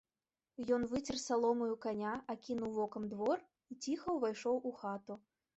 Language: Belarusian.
Ён выцер саломаю каня, акінуў вокам двор і ціха ўвайшоў у хату.